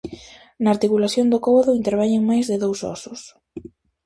Na articulación do cóbado interveñen máis de dous ósos.